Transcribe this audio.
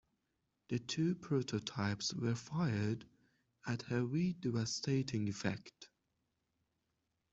The two prototypes were fired at her with devastating effect.